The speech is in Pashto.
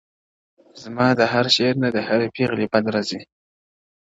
o زما د هر شعر نه د هري پيغلي بد راځي،